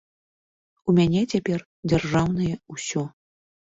У мяне цяпер дзяржаўнае ўсё.